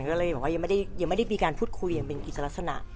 ก็เลยบอกว่ายังไม่ได้มีการพูดคุยอย่างเป็นอิสลักษณะ